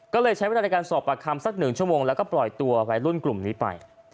ก็เลยใช้เวลาในการสอบปากคำสัก๑ชั่วโมงแล้วก็ปล่อยตัววัยรุ่นกลุ่มนี้ไป